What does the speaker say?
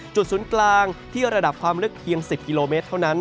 จุดศูนย์กลางที่ระดับความลึกเพียง๑๐กิโลเมตรเท่านั้น